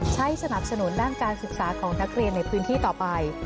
สนับสนุนด้านการศึกษาของนักเรียนในพื้นที่ต่อไป